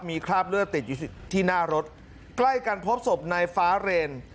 มีคราบเลือดติดอยู่ที่หน้ารถใกล้กันพบศพนายฟ้าเรน